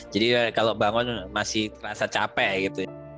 jadi kalau bangun masih terasa capek gitu